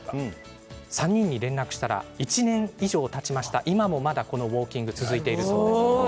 ３人に連絡をしたら１年以上たった今もまだウォーキングが続いているそうです。